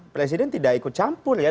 presiden tidak ikut campur ya